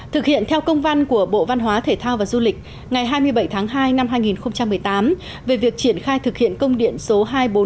thực hiện theo công văn của bộ văn hóa thể thao và du lịch ngày hai mươi bảy tháng hai năm hai nghìn một mươi tám về việc triển khai thực hiện công điện số hai trăm bốn mươi